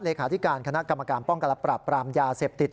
เลขาธิการคณะกรรมการป้องกันและปรับปรามยาเสพติด